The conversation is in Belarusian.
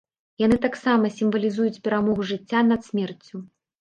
Яны таксама сімвалізуюць перамогу жыцця над смерцю.